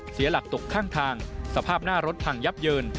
เสียหลักตกข้างทางสภาพหน้ารถพังยับเยิน